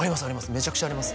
めちゃくちゃあります